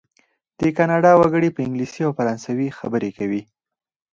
د کانادا وګړي په انګلیسي او فرانسوي خبرې کوي.